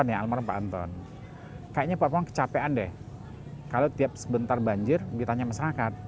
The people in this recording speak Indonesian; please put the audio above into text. ya almarhum pak anton kayaknya pak pang kecapean deh kalau tiap sebentar banjir ditanya masyarakat